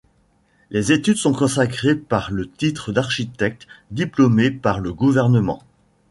Les études sont consacrées par le titre d'architecte diplômé par le gouvernement.